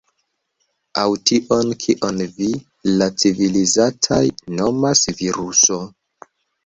Aŭ tion kion vi, la civilizitaj, nomas viruso.